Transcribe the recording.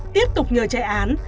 tiếp tục nhờ chạy án